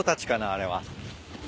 あれは。